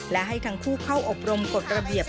และให้ทั้งคู่เข้าอบรมกฎระเบียบ